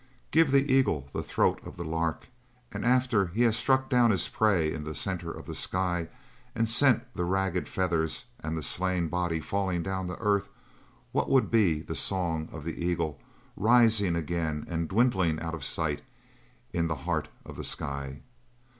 Give the eagle the throat of the lark, and after he has struck down his prey in the centre of the sky and sent the ragged feathers and the slain body falling down to earth, what would be the song of the eagle rising again and dwindling out of sight in the heart of the sky?